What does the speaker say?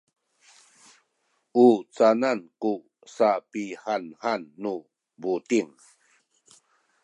u canan ku sapihanhan nu buting?